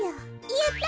やった！